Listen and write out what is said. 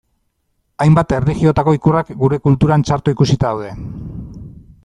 Hainbat erlijiotako ikurrak gure kulturan txarto ikusita daude.